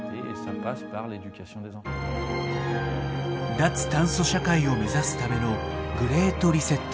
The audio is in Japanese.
脱炭素社会を目指すための「グレート・リセット」。